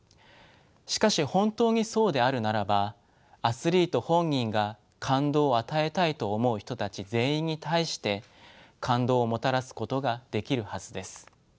しかし本当にそうであるならばアスリート本人が「感動を与えたい」と思う人たち全員に対して感動をもたらすことができるはずです。